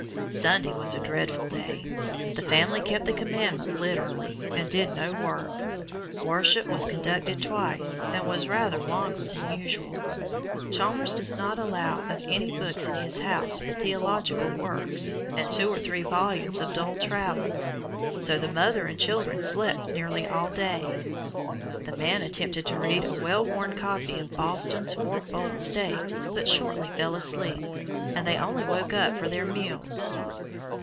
Sunday was a dreadful day. The family kept the Commandment literally, and did no work. Worship was conducted twice, and was rather longer than usual. Chalmers does not allow of any books in his house but theological works, and two or three volumes of dull travels, so the mother and children slept nearly all day. The man attempted to read a well worn copy of Boston's Fourfold State, but shortly fell asleep, and they only woke up for their meals.